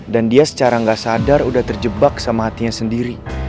dan dia secara nggak sadar udah terjebak sama hatinya sendiri